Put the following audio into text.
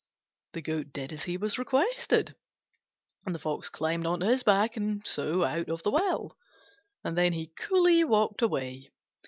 The Goat did as he was requested, and the Fox climbed on to his back and so out of the well; and then he coolly walked away.